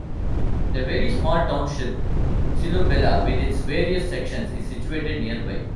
The very small township Silobela, with its various sections, is situated nearby.